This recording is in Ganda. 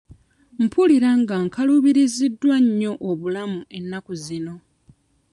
Mpulira nga nkaluubiriziddwa nnyo obulamu ennaku zino.